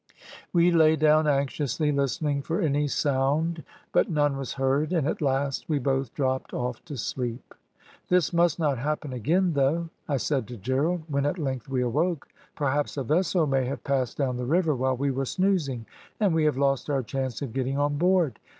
"We lay down anxiously listening for any sound, but none was heard, and at last we both dropped off to sleep. "`This must not happen again, though,' I said to Gerald, when at length we awoke. `Perhaps a vessel may have passed down the river while we were snoozing, and we have lost our chance of getting on board.